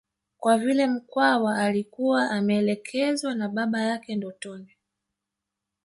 Kwa vile Mkwawa alikuwa ameelekezwa na baba yake ndotoni